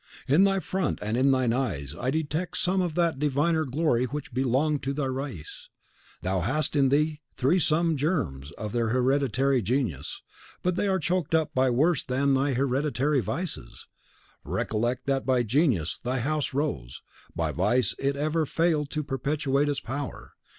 In thy front, and in thine eyes, I detect some of that diviner glory which belonged to thy race. Thou hast in thee some germs of their hereditary genius, but they are choked up by worse than thy hereditary vices. Recollect that by genius thy house rose; by vice it ever failed to perpetuate its power.